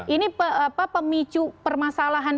ini pemicu permasalahan